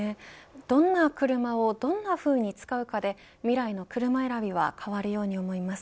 どんな車をどんなふうに使うかで未来の車選びは変わるように思います。